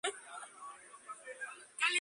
Reside en Mónaco.